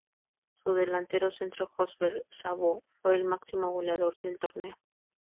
Su delantero centro József Szabó fue el máximo goleador del torneo.